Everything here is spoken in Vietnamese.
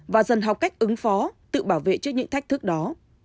và dần học cách ứng phó tự bảo vệ trước những thách thức đó